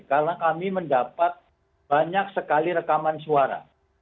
karena kami mendapat banyak sekali rekaman suara